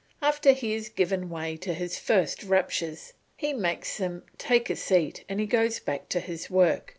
After he has given way to his first raptures, he makes them take a seat and he goes back to his work.